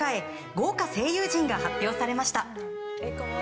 豪華声優陣が発表されました。